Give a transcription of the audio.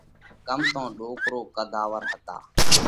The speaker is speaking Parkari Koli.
ڪم تو ڏوڪرو قڌ آور هتا۔